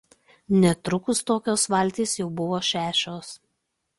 Netrukus tokios valtys jau buvo šešios.